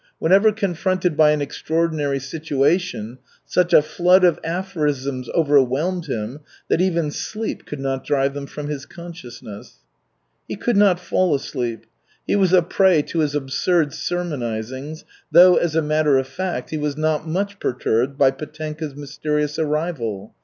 Whenever confronted by an extraordinary situation, such a flood of aphorisms overwhelmed him that even sleep could not drive them from his consciousness. He could not fall asleep. He was a prey to his absurd sermonizings, though, as a matter of fact, he was not much perturbed by Petenka's mysterious arrival.